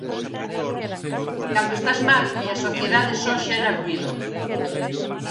De cando estás mal e a sociedade só xera ruído.